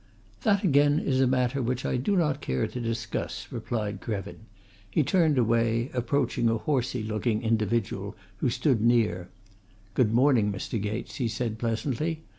"That, again, is a matter which I do not care to discuss," replied Krevin. He turned away, approaching a horsy looking individual who stood near. "Good morning, Mr. Gates," he said pleasantly.